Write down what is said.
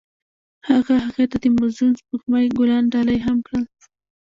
هغه هغې ته د موزون سپوږمۍ ګلان ډالۍ هم کړل.